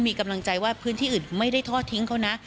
มีกำลังใจว่าพื้นที่อื่นไม่ได้ทอดทิ้งเขานะ